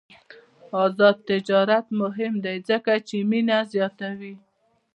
آزاد تجارت مهم دی ځکه چې مینه زیاتوي.